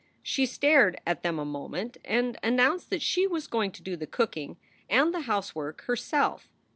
She stared at them a moment and announced that she was going to do the cooking and the housework herself.